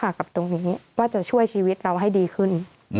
กับตรงนี้ว่าจะช่วยชีวิตเราให้ดีขึ้น